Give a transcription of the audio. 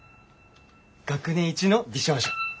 学年一の美少女。